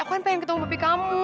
aku kan pengen ketemu mimpi kamu